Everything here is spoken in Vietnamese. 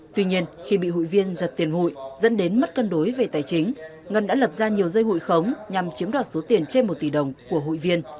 tuy nhiên khi bị hụi viên giật tiền hụi dẫn đến mất cân đối về tài chính ngân đã lập ra nhiều dây hụi khống nhằm chiếm đoạt số tiền trên một tỷ đồng của hụi viên